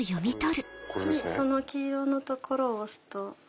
その黄色の所を押すと。